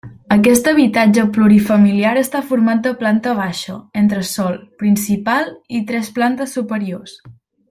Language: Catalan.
Aquest habitatge plurifamiliar està format de planta baixa, entresòl, principal i tres plantes superiors.